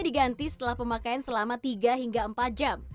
diganti setelah pemakaian selama tiga hingga empat jam